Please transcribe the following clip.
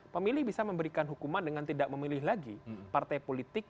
pemilih bisa memberikan hukuman dengan tidak memilih lagi partai politik